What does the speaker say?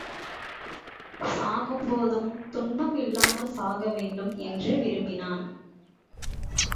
சாகும் போதும் துன்பம் இல்லாமல் சாகவேண்டும் என்று விரும்பினான்.